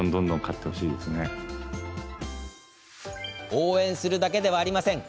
応援するだけではありません。